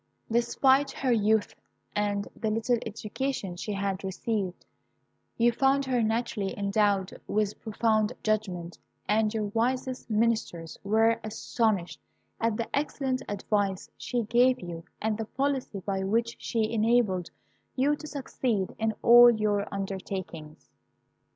Despite her youth and the little education she had received, you found her naturally endowed with profound judgment, and your wisest ministers were astonished at the excellent advice she gave you, and the policy by which she enabled you to succeed in all your undertakings."